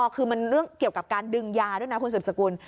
คือมันเรื่องเกี่ยวกับการดึงยาด้วยนะคุณสืบสกุล